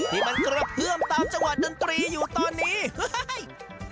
ที่มันกระเพื่อมตามจังหวะดนตรีอยู่ตอนนี้เฮ้ย